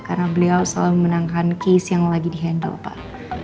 karena beliau selalu memenangkan keys yang lagi di handle pak